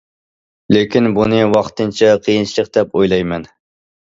لېكىن بۇنى ۋاقتىنچە قىيىنچىلىق دەپ ئويلايمەن.